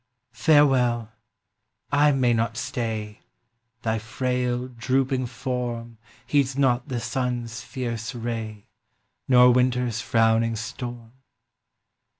Farewell! I may not stay; Thy frail, drooping form Heeds not the sun’s fierce ray, Nor winter’s frowning storm!